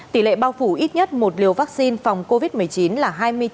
tỷ lệ bao phủ ít nhất một liều vaccine phòng covid một mươi chín là hai mươi chín